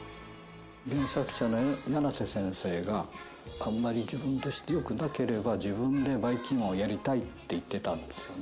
「あんまり自分として良くなければ自分でばいきんまんをやりたい」って言ってたんですよね。